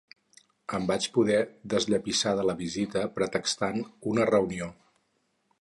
Em vaig poder desllepissar de la visita pretextant una reunió.